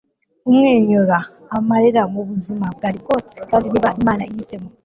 kumwenyura, amarira, mubuzima bwanjye bwose!; kandi, niba imana ihisemo